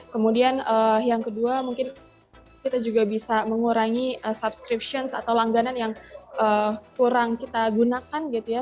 kemudian yang kedua mungkin kita juga bisa mengurangi subscription atau langganan yang kurang kita gunakan gitu ya